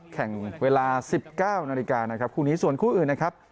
แข่งเวลา๑๙นาฬิกานะครับคู่นี้ส่วนคู่อื่นนะครับ